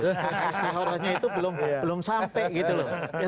astaharanya itu belum sampai gitu loh